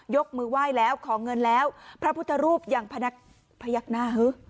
ยกมือไหว้แล้วขอเงินแล้วพระพุทธรูปยังพยักหน้าฮึ